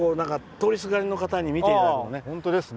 通りすがりの方に見ていただくのも。